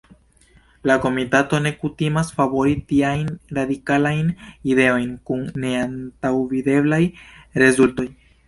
La komitato ne kutimas favori tiajn radikalajn ideojn kun neantaŭvideblaj rezultoj.